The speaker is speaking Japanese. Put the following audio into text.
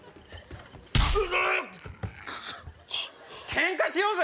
ケンカしようぜ！